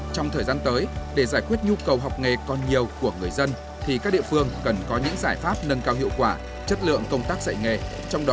trong đó nhu cầu học nghề còn nhiều của người dân